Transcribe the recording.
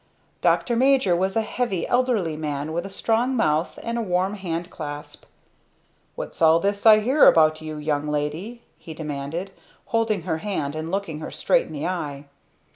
Dr. Major was a heavy elderly man with a strong mouth and a warm hand clasp. "What's all this I hear about you, young lady?" he demanded, holding her hand and looking her straight in the eye.